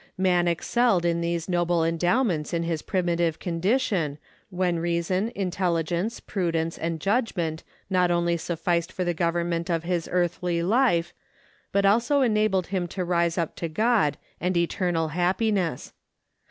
Man excelled in these noble endowments in his primitive condition, when reason, intelligence, prudence, and judgment not only sufficed for the government of his earthly life, but also enabled him to rise up to God and eternal happiness.